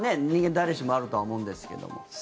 誰しもあるとは思うんですけども。